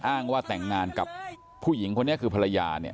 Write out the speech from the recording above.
อ้างว่าแต่งงานกับผู้หญิงคนนี้คือภรรยาเนี่ย